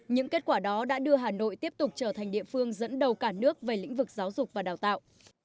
những kết quả đó đã đưa hà nội tiếp tục trở thành địa phương dẫn đầu cả nước về lĩnh vực giáo dục và đào tạo